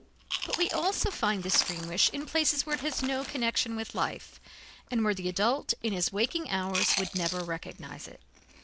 But we also find this dream wish in places where it has no connection with life, and where the adult, in his waking hours, would never recognize it.